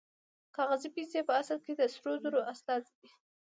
کاغذي پیسې په اصل کې د سرو زرو استازي دي